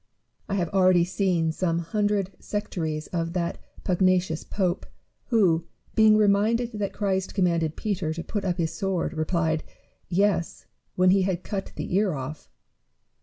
I liave already seen some hundred sectaries of that pugnacious pope, who, being reminded tliat Christ commanded Peter to put up his sword, replied, "Yes, when he had cut the ear off."